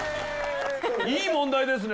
いい問題ですね